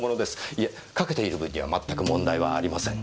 いえかけている分には全く問題はありません。